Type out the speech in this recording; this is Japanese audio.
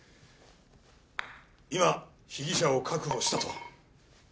今被疑者を確保したと。